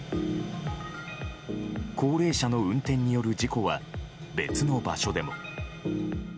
高齢者の運転による事故は別の場所でも。